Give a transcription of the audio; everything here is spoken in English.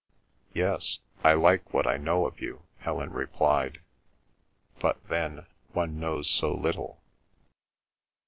"Yes, I like what I know of you," Helen replied. "But then—one knows so little."